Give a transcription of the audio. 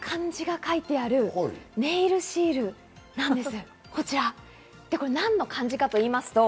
いっぱい漢字が書いてあるネイルシールなんです。